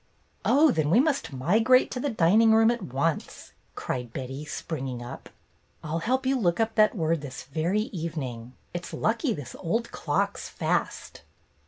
"Oh, then we must migrate to the dining room at once !" cried Betty, springing up. "I 'll help you look up that word this very evening. It 's lucky this old clock 's fast